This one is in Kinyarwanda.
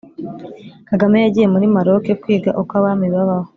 Kagame yagiye muli Maroc kwiga uko abami babaho.